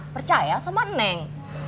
percaya sama neng